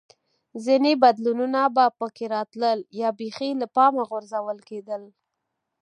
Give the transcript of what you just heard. ځیني بدلونونه به په کې راتلل یا بېخي له پامه غورځول کېده